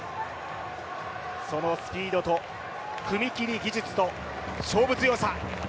そのスピードと踏み切り技術と勝負強さ。